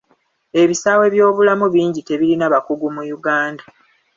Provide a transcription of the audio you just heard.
Ebisaawe byobulamu bingi tebirina bakugu mu Uganda.